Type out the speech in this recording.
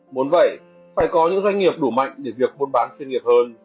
muốn vậy phải có những doanh nghiệp đủ mạnh để việc buôn bán chuyên nghiệp hơn